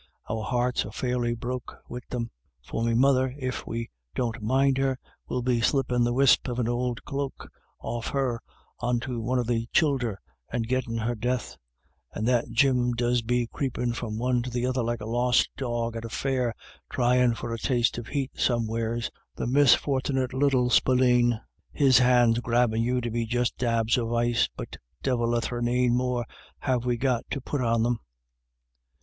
Our hearts arc fairly broke wid them ; for me mother, if we don't mind her, will be slippin' the wisp of an ould BETWEEN TWO LADY DA VS. 231 cloak off her on to one of the childer, and gittin' her death ; and that Jim does be creepin' from one to the other like a lost dog at a fair, thryin* for a taste of heat somewheres, the misfortnit little spal peen ; its hands grabbin' you do be just dabs of ice. But divil a thraneen more have we got to put on them."